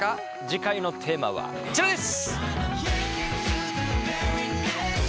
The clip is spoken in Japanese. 次回のテーマはこちらです！